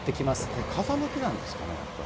これ、風向きなんですかね、やっぱり。